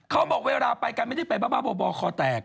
เขาบอกเวลาไปกันไม่ได้ไปบ้าบ่อคอแตก